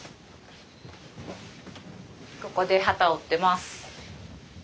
ここで機を織ってます。